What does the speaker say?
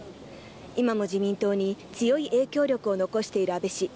今も自民党に強い影響力を残している安倍氏